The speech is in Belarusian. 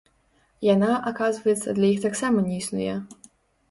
Яна, аказваецца, для іх таксама не існуе!